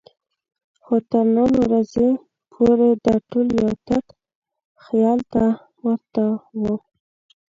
خو تر نن ورځې پورې دا ټول یو تت خیال ته ورته وو.